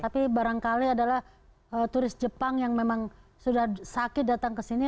tapi barangkali adalah turis jepang yang memang sudah sakit datang ke sini